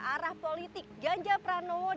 arah politik ganja pranowo